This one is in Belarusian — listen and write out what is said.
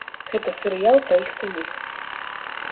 Гэта серыял пра іх саміх.